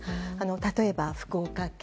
例えば、福岡県。